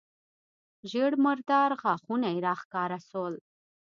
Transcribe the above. ژېړ مردار غاښونه يې راښکاره سول.